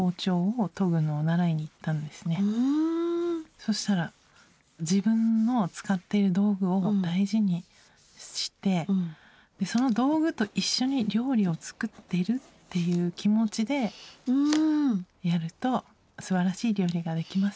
そしたら自分の使っている道具を大事にしてその道具と一緒に料理を作っているっていう気持ちでやるとすばらしい料理ができます